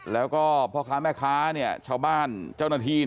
แล้วก็พ่อค้าแม่ค้าชาวบ้านเจ้าหน้าที่